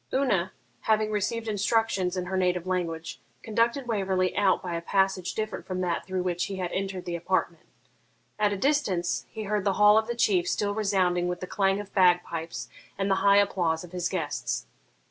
Una, having received instructions in her native language, conducted Waverley out by a passage different from that through which he had entered the apartment. At a distance he heard the hall of the Chief still resounding with the clang of bagpipes and the high applause of his guests.